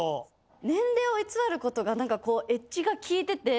年齢を偽ることがなんかこうエッジが効いてて。